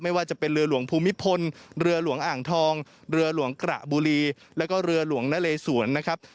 ว่าจะเป็นเรือหลวงภูมิพลเรือหลวงอ่างทองเรือหลวงกระบุรีแล้วก็เรือหลวงนเลสวนนะครับ